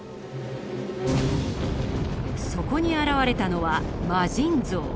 そこに現れたのは魔神像。